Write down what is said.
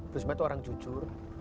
bu risma itu orang jujur